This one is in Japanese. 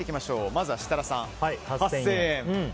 まずは設楽さん８０００円。